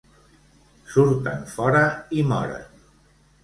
Surten fora i moren.